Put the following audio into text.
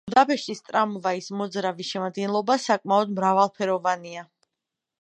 ბუდაპეშტის ტრამვაის მოძრავი შემადგენლობა საკმაოდ მრავალფეროვანია.